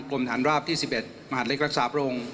กรมฐานราบที่๑๑มหาดเล็กรักษาพระองค์